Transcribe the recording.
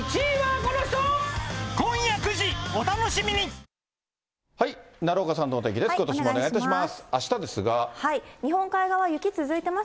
ことしもお願いいたします。